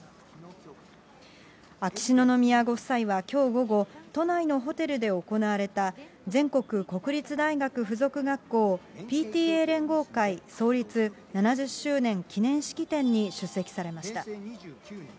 秋篠宮ご夫妻はきょう午後、都内のホテルで行われた全国国立大学附属学校ＰＴＡ連合会創立７０周年記念式典に出席されました。